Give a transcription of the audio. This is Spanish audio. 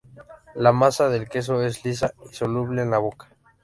La masa del queso es lisa, y soluble en la boca.